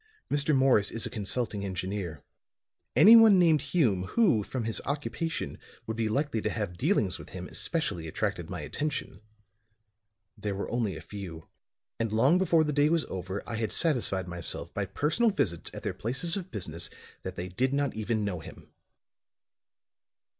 Mr. Morris is a consulting engineer. Anyone named Hume who, from his occupation, would be likely to have dealings with him especially attracted my attention. There were only a few, and long before the day was over I had satisfied myself by personal visits at their places of business that they did not even know him."